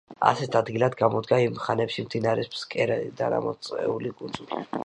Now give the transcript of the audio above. ასეთ ადგილად გამოდგა იმ ხანებში მდინარის ფსკერიდან ამოწეული კუნძული.